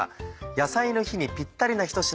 野菜の日にぴったりな一品